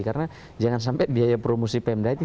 karena jangan sampai biaya promosi pemda itu